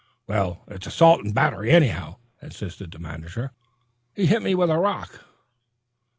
"Well, it's assault and battery, anyhow," insisted the manager. "He hit me with a rock."